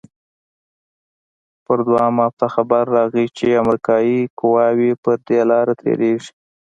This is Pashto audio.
پر دويمه هفته خبر راغى چې امريکايانو قواوې پر دې لاره تېريږي.